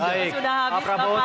sudah habis bapak terima kasih